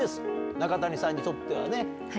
中谷さんにとってはね。